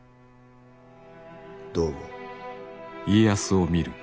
どう思う？